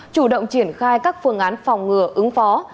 chủ động triển khai các phương án phòng ngừa ứng phó